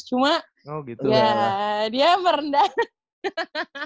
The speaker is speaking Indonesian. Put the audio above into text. cuma ya dia merendah